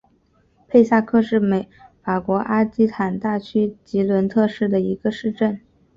佩萨克是法国阿基坦大区吉伦特省的一个市镇。